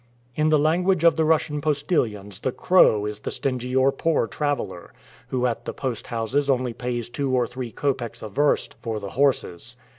In the language of the Russian postillions the "crow" is the stingy or poor traveler, who at the post houses only pays two or three copecks a verst for the horses.